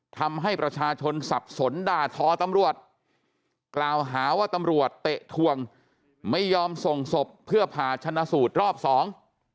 ทำให้ประชาชนสับสนด่าทอตำรวจกล่าวหาว่าตำรวจเตะทวงไม่ยอมส่งศพเพื่อผ่าชนะสูตรรอบสอง